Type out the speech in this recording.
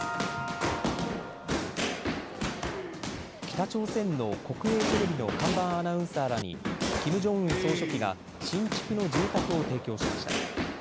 北朝鮮の国営テレビの看板アナウンサーらにキム・ジョンウン総書記が新築の住宅を提供しました。